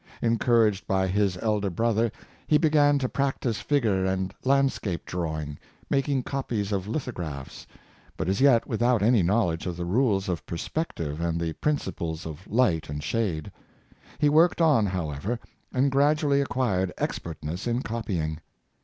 Encouraged by his elder brother, he began to prac tice figure and landscape drawing, making copies of lithographs, but as yet without any knowledge of the rules of perspective and the principles of light and shade. He worked on, however, and gradually ac quired expertness in copying.